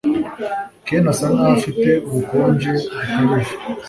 Ken asa nkaho afite ubukonje bukabije